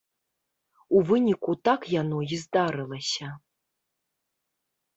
У выніку так яно і здарылася.